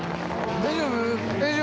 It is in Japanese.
大丈夫？